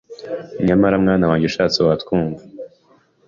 Nyamara mwana wanjye ushatse watwumva”